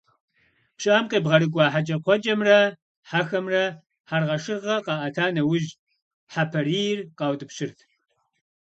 ПщыӀэм къебгъэрыкӀуа хьэкӀэкхъуэкӀэмрэ хьэхэмрэ хьэргъэшыргъэ къаӀэта нэужь, хьэпарийр къаутӀыпщырт.